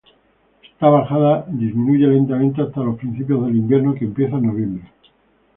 Esta bajada disminuye lentamente hasta principios del invierno, que empieza en noviembre.